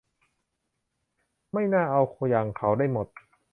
ไม่น่าเอาอย่างเขาได้หมด